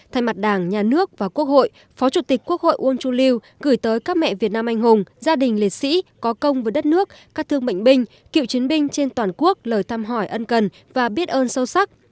thay mặt đảng nhà nước và quốc hội phó chủ tịch quốc hội uông chu lưu gửi tới các mẹ việt nam anh hùng gia đình liệt sĩ có công với đất nước các thương bệnh binh cựu chiến binh trên toàn quốc lời thăm hỏi ân cần và biết ơn sâu sắc